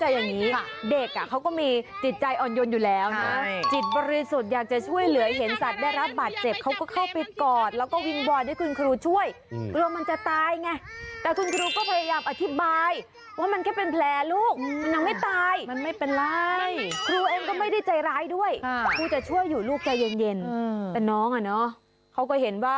หนูอย่าไปจับแผลมันสิลูก